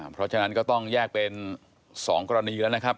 เพราะฉะนั้นก็ต้องแยกเป็น๒กรณีแล้วนะครับ